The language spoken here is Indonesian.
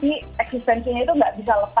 tapi eksistensinya itu nggak bisa lepas